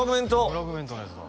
フラグメントのやつだ